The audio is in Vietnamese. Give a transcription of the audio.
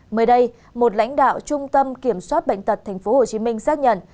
mới đây một lãnh đạo trung tâm kiểm soát bệnh tật tp hcm xác nhận